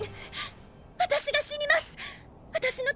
私が死にますっ！